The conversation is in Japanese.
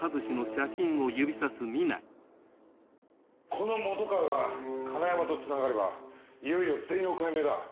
この本川が金山とつながればいよいよ全容解明だ。